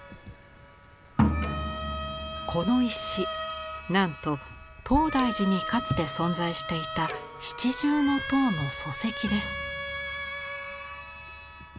この石なんと東大寺にかつて存在していた七重塔の礎石です。